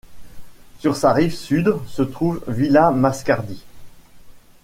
Sur sa rive sud, se trouve Villa Mascardi.